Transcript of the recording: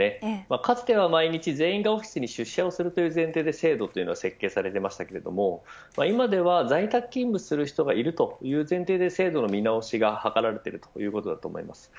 かつては毎日、全員がオフィスに出社する前提で制度というのが設計されていましたが今では在宅勤務をする人もいる前提で制度の見直しが図られていると思います。